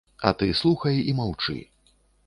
А ты слухай і маўчы.